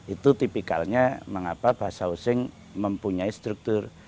itu tipikalnya mengapa bahasa osing mempunyai struktur